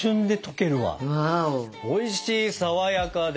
おいしいさわやかで。